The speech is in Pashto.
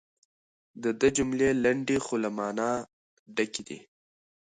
د ده جملې لنډې خو له مانا ډکې دي.